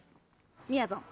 みやぞん。